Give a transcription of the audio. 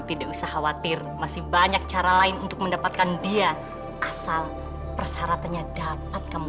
tidak usah khawatir masih banyak cara lain untuk mendapatkan dia asal persyaratannya dapat